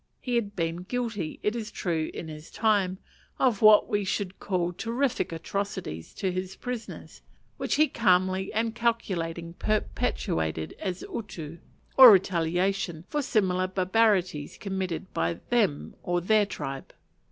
He had been guilty, it is true, in his time, of what we should call terrific atrocities to his prisoners; which he calmly and calculatingly perpetrated as utu, or retaliation for similar barbarities committed by them or their tribe.